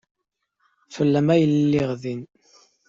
Fell-am ay lliɣ din.